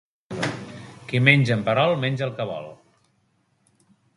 Qui menja en perol, menja el que vol.